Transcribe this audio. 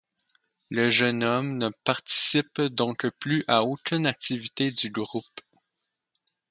Le jeune homme ne participe donc plus à aucune activité du groupe.